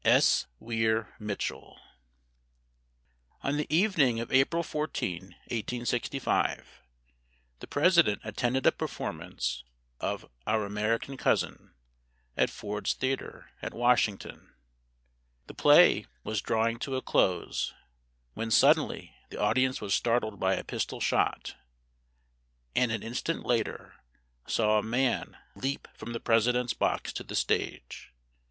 S. WEIR MITCHELL. On the evening of April 14, 1865, the President attended a performance of "Our American Cousin," at Ford's Theatre, at Washington. The play was drawing to a close, when suddenly the audience was startled by a pistol shot, and an instant later saw a man leap from the President's box to the stage.